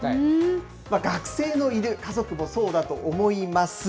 学生のいる家族もそうだと思います。